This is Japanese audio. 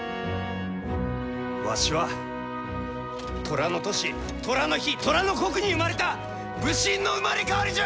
わしは寅の年寅の日寅の刻に生まれた武神の生まれ変わりじゃ！